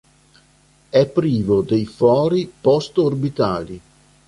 È privo dei fori post-orbitali.